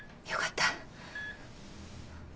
よかった。